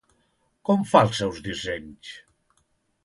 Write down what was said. Com fa els seus dissenys?